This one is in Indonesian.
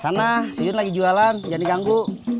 sana si yun lagi jualan jangan dijanggu